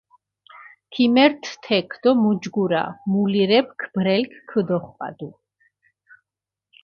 ქიმერთჷ თექ დო მუჯგურა მულირეფქ ბრელქ ქჷდოხვადუ.